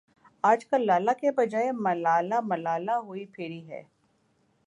آجکل لالہ کے بجائے ملالہ ملالہ ہوئی پھری ہے ۔